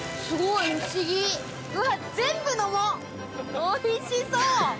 おいしそう！